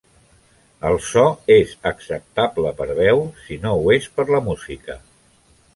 El so és acceptable per veu, si no ho és per la música.